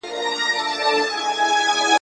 چي سرسایې او عالمانو ته خیرات ورکوي ..